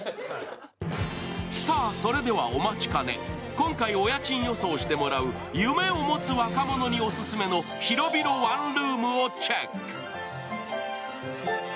今回お家賃予想してもらう夢を持つ若者にオススメの広々ワンルームをチェック。